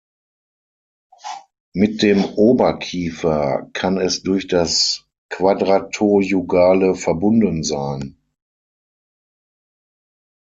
Mit dem Oberkiefer kann es durch das Quadratojugale verbunden sein.